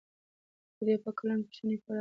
د ده په کلام کې پښتني فکر انځور شوی دی.